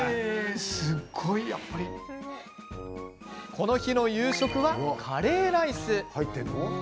この日の夕食はカレーライス。